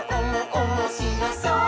おもしろそう！」